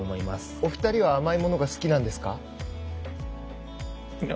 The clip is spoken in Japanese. お二人は甘い物が好きなんですか？